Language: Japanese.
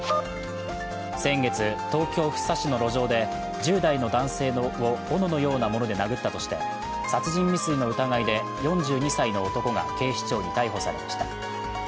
先月、東京福生市の路上で、１０代の男性をおののようなもので殴ったとして殺人未遂の疑いで４２歳の男が警視庁に逮捕されました。